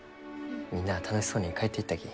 みんなあ楽しそうに帰っていったき。